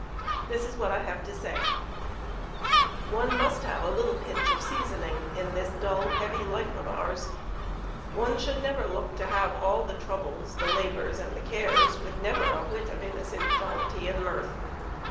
This is what I have to say : One must have a little pinch of seasoning in this dull, heavy life of ours ; one should never look to have all the troubles, the labors, and the cares, with never a whit of innocent jollity and mirth.